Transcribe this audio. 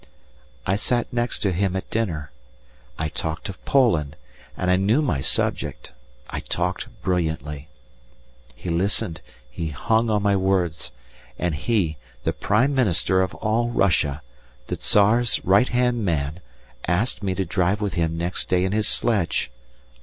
I sat next to him at dinner; I talked of Poland and I knew my subject I talked brilliantly; he listened, he hung on my words, and he, the Prime Minister of all Russia, the Tsar's right hand man, asked me to drive with him next day in his sledge.